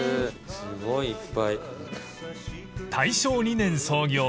すごいいっぱい。